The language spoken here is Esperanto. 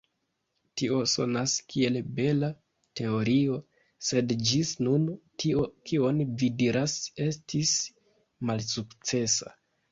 Tio sonas kiel bela teorio, sed ĝis nun tio kion vi diris estis malsukcesa.